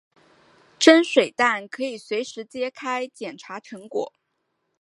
蒸水蛋可以随时揭开捡查成果。